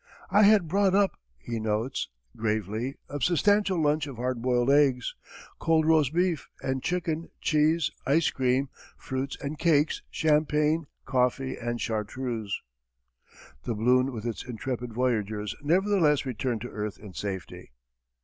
"I had brought up," he notes gravely, "a substantial lunch of hard boiled eggs, cold roast beef and chicken, cheese, ice cream, fruits and cakes, champagne, coffee, and chartreuse!" The balloon with its intrepid voyagers nevertheless returned to earth in safety.